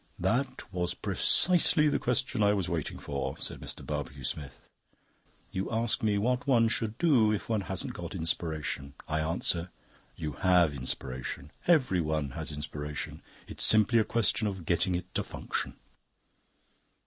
"That was precisely the question I was waiting for," said Mr. Barbecue Smith. "You ask me what one should do if one hasn't got Inspiration. I answer: you have Inspiration; everyone has Inspiration. It's simply a question of getting it to function."